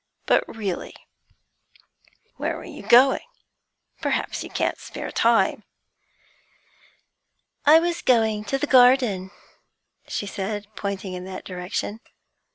But, really, where were you going? Perhaps you can't spare time?' 'I was going to the garden,' she said, pointing in that direction.